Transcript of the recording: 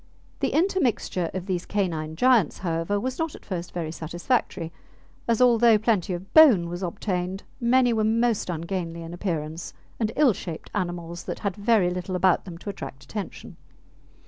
The intermixture of these canine giants, however, was not at first very satisfactory, as although plenty of bone was obtained, many were most ungainly in appearance and ill shaped animals that had very little about them to attract attention.